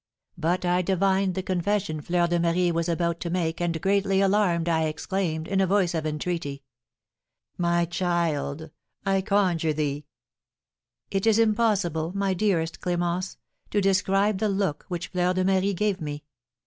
But I divined the confession Fleur de Marie was about to make, and, greatly alarmed, I exclaimed, in a voice of entreaty: "My child, I conjure thee " It is impossible, my dearest Clémence, to describe the look which Fleur de Marie gave me.